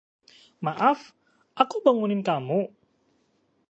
Maaf, aku bangunin kamu?